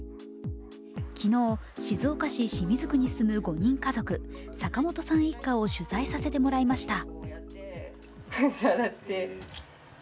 昨日、静岡市清水区に住む５人家族坂本さん一家を取材させてもらいました。